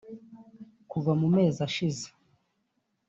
Kuva mu mezi ashize